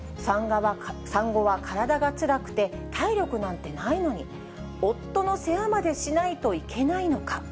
産後は体がつらくて体力なんてないのに、夫の世話までしないといけないのか。